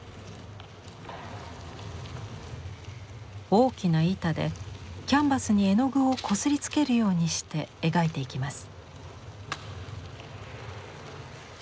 大きな板でキャンバスに絵の具をこすりつけるようにして描いていきます。